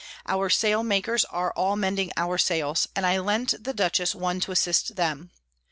Our Sail makers are all mending our Sails, and I lent the Dutchess one to assist them.